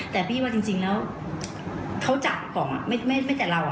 แต่พี่ว่าจริงแล้วเขาจัดกล่องไม่แต่เรา